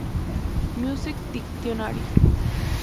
Music Dictionary.